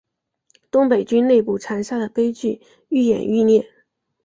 东北军内部残杀的悲剧愈演愈烈。